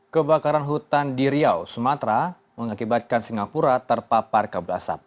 kebakaran hutan di riau sumatera mengakibatkan singapura terpapar kabut asap